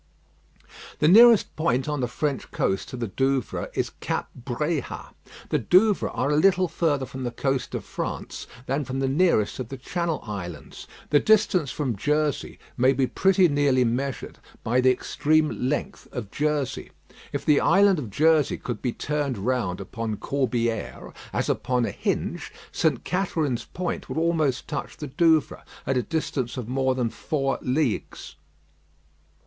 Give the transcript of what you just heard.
The nearest point on the French coast to the Douvres is Cape Bréhat. The Douvres are a little further from the coast of France than from the nearest of the Channel Islands. The distance from Jersey may be pretty nearly measured by the extreme length of Jersey. If the island of Jersey could be turned round upon Corbière, as upon a hinge, St. Catherine's Point would almost touch the Douvres, at a distance of more than four leagues.